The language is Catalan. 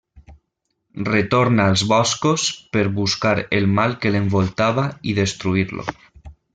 Retorna als boscos per buscar el mal que l'envoltava i destruir-lo.